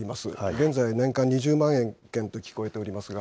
現在、年間２０万件と聞こえておりますが。